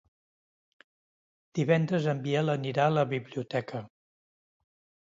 Divendres en Biel anirà a la biblioteca.